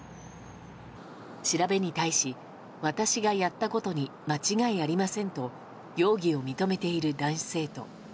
調べに対し、私がやったことに間違いありませんと容疑を認めている男子生徒。